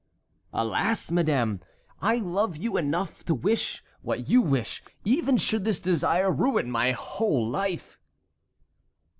"Alas, madame, I love you enough to wish what you wish, even should this desire ruin my whole life!"